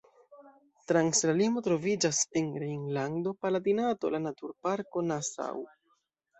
Trans la limo troviĝas en Rejnlando-Palatinato la Naturparko Nassau.